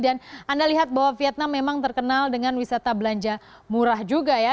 dan anda lihat bahwa vietnam memang terkenal dengan wisata belanja murah juga ya